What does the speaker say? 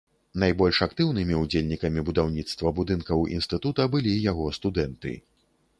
Найбольш актыўнымі ўдзельнікамі будаўніцтва будынкаў інстытута былі яго студэнты.